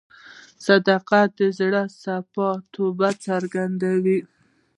صداقت د زړه صفا توب څرګندوي.